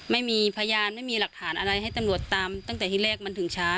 ไม่มีพยานไม่มีหลักฐานอะไรให้ตำรวจตามตั้งแต่ที่แรกมันถึงช้า